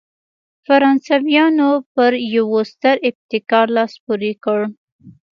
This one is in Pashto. فرانسویانو پر یوه ستر ابتکار لاس پورې کړ.